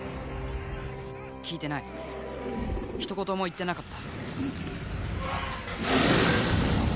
聞いてないひと言も言ってなかった・